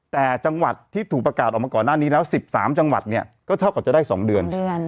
แต่จังหวัดที่ถูกประกาศออกมาก่อนหน้านี้แล้ว๑๓จังหวัดเนี่ยก็เท่ากับจะได้๒เดือน